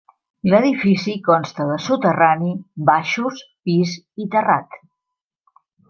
L'edifici consta de soterrani, baixos, pis i terrat.